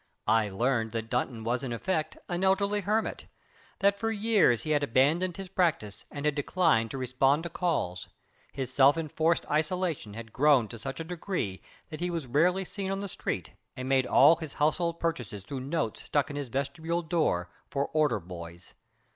I learned that Dunton was in effect an elderly hermit, that for years he had abandoned his practice and had declined to respond to calls. His self enforced isolation had grown to such a degree that he was rarely seen on the street and made all his household purchases through notes stuck in his vestibule door for "order boys".